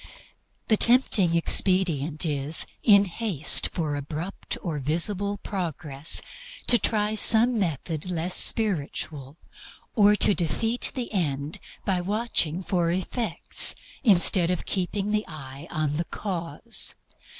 The tempting expedient is, in haste for abrupt or visible progress, to try some method less spiritual, or to defeat the end by watching for effects instead of keeping the eye on the Cause.